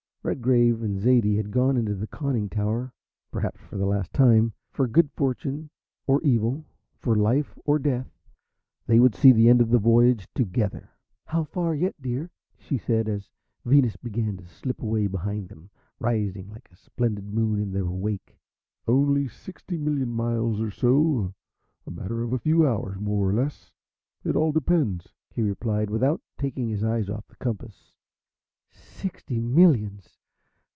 Redgrave and Zaidie had gone into the conning tower, perhaps for the last time. For good fortune or evil, for life or death, they would see the end of the voyage together. "How far yet, dear?" she said, as Venus began to slip away behind them, rising like a splendid moon in their wake. "Only sixty million miles or so, a matter of a few hours, more or less it all depends," he replied, without taking his eyes off the compass. "Sixty millions!